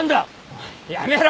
おいやめろ！